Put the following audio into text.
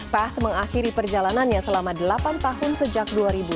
pet mengakhiri perjalanannya selama delapan tahun sejak dua ribu dua